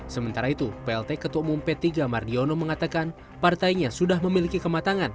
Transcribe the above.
sementara itu plt ketua umum p tiga mardiono mengatakan partainya sudah memiliki kematangan